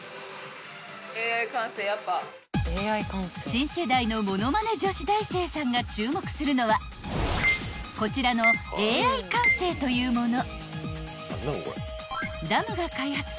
［新世代のものまね女子大生さんが注目するのはこちらのＡｉ感性というもの］